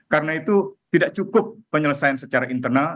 karena itu tidak cukup penyelesaian secara internal